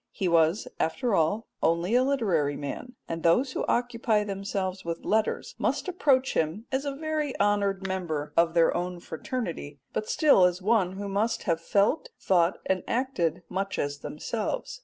He was after all only a literary man, and those who occupy themselves with letters must approach him as a very honoured member of their own fraternity, but still as one who must have felt, thought, and acted much as themselves.